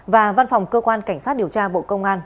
và văn phòng cơ quan cảnh sát điều tra bộ công an